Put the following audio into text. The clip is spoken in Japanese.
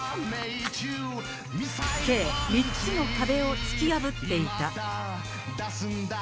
計３つの壁を突き破っていた。